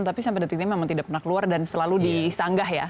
tapi sampai detik ini memang tidak pernah keluar dan selalu disanggah ya